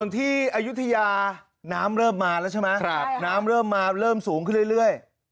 ที่อายุทยาน้ำเริ่มมาแล้วใช่ไหมน้ำเริ่มมาเริ่มสูงขึ้นเรื่อย